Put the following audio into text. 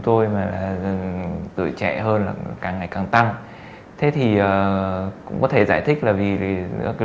tôi mà từ trẻ hơn là càng ngày càng tăng thế thì cũng có thể giải thích là vì cái